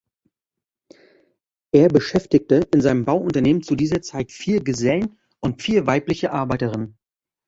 Er beschäftigte in seinem Bauunternehmen zu dieser Zeit vier Gesellen und vier weibliche Arbeiterinnen.